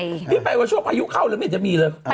พี่ไปวันชั่วพายุเข้าเลยไม่จำนวนจะมีเลย